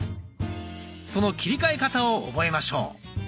その切り替え方を覚えましょう。